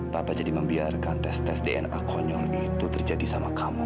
papa jadi membiarkan tes tes dna konyol itu terjadi sama kamu